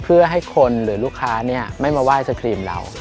เพื่อให้คนหรือลูกค้าเนี่ยไม่มาไห้สครีมเรา